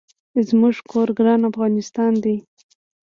زمونږ کور ګران افغانستان دي